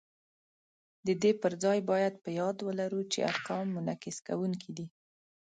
د دې پر ځای باید په یاد ولرو چې ارقام منعکس کوونکي دي